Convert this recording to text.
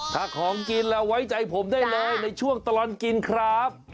ถ้าของกินแล้วไว้ใจผมได้เลยในช่วงตลอดกินครับ